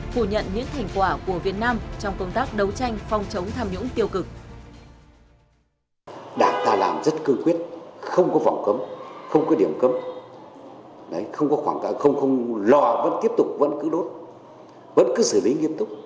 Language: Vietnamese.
phủ nhận những thành quả của việt nam trong công tác đấu tranh phòng chống tham nhũng tiêu cực